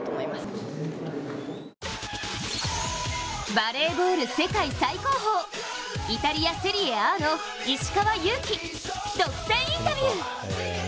バレーボール世界最高峰イタリア・セリエＡの石川祐希、独占インタビュー。